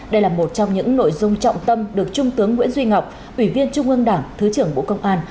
đây là một trong những nội dung trọng tâm được trung tướng nguyễn duy ngọc ủy viên trung ương đảng thứ trưởng bộ công an